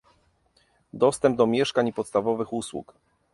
Dostęp do mieszkań i podstawowych usług